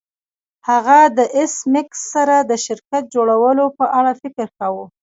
هغه د ایس میکس سره د شرکت جوړولو په اړه فکر کاوه